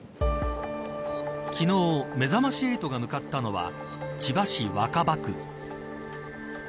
昨日めざまし８が向かったのは千葉市、若葉区。